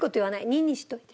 ２にしといて。